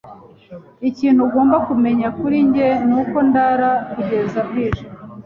Ikintu ugomba kumenya kuri njye nuko ndara kugeza bwije.